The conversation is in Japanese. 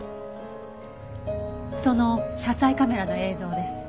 その車載カメラの映像です。